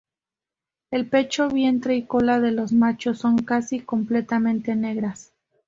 El pecho, vientre y cola de los machos son casi completamente negras.